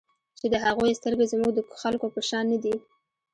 چې د هغوی سترګې زموږ د خلکو په شان نه دي.